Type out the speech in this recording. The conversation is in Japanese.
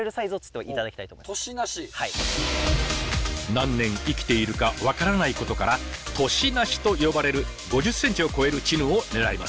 何年生きているか分からないことから「年なし」と呼ばれる５０ｃｍを超えるチヌを狙います。